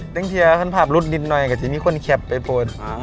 แต่งเทียฟันภาพรุ่นนิดหน่อยก็จะมีคนแคปไปโพสต์